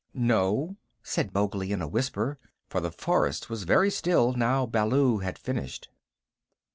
"No," said Mowgli in a whisper, for the forest was very still now Baloo had finished.